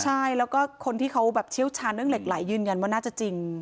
ใช่แล้วก็คนที่เขาแบบเชี่ยวชาญเรื่องเหล็กไหลยืนยันว่าน่าจะจริง